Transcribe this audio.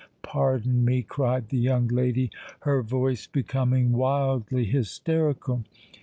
pardon me!" cried the young lady, her voice becoming wildly hysterical.